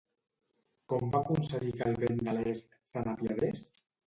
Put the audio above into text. Com va aconseguir que el vent de l'est se n'apiadés?